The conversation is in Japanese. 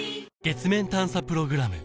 月面探査プログラム